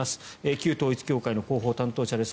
旧統一教会の広報担当者です。